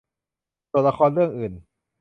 ส่วนละครเรื่องอื่น